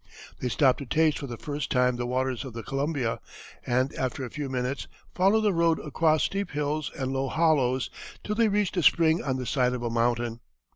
They stopped to taste for the first time the waters of the Columbia, and, after a few minutes, followed the road across steep hills and low hollows, till they reached a spring on the side of a mountain.